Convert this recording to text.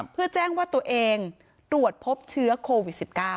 เพื่อแจ้งว่าตัวเองตรวจพบเชื้อโควิด๑๙